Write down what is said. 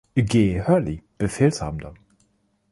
G. Hurley, Befehlshabender.